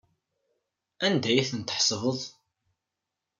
Anda ay ten-tḥesbeḍ?